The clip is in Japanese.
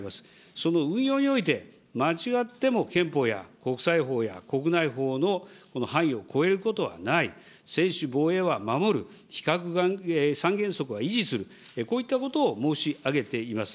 その運用において、間違っても憲法や国際法や国内法のこの範囲を超えることはない、専守防衛は守る、非核三原則は維持する、こういったことを申し上げています。